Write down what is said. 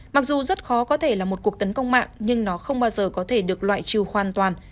mặc dù rất khó có thể là một cuộc tấn công mạng nhưng nó không bao giờ có thể được loại trừ hoàn toàn